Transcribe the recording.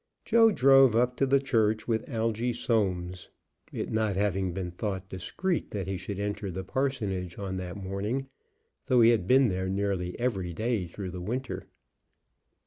Joe drove up to the church with Algy Soames, it not having been thought discreet that he should enter the parsonage on that morning, though he had been there nearly every day through the winter.